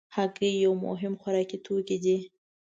هګۍ یو مهم خوراکي توکی دی.